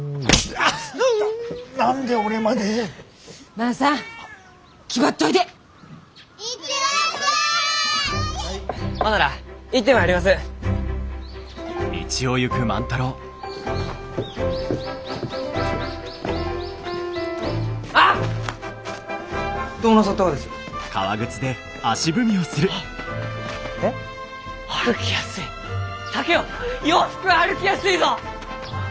竹雄洋服は歩きやすいぞ！